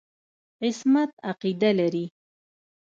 عصمت عقیده لري.